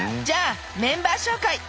じゃあメンバー紹介！